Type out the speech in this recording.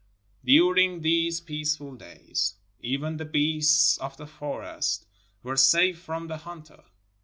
During these peaceful days, even the beasts of the forest were safe from the hunter.